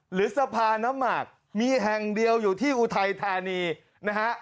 หรือสะพานน้ำหมากมีแห่งเดียวอยู่ที่อุทัยธานีนะฮะ